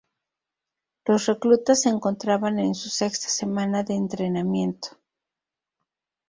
Los reclutas se encontraban en su sexta semana de entrenamiento.